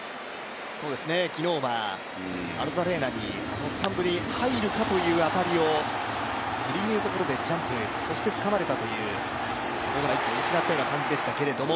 昨日はアロザレーナにスタンドに入るかというギリギリのところでジャンプ、そしてつかまれたという、ホームラン１本失ったような感じでしたけども。